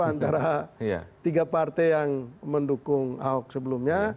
antara tiga partai yang mendukung ahok sebelumnya